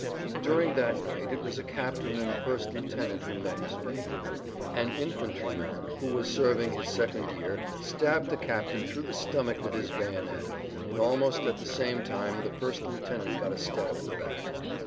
During that night it was a captain and first lieutenant who met his fate. An infantryman who was serving his second year stabbed the captain through the[Pg 67] stomach with his bayonet, and almost at the same time the first lieutenant got a stab in the back.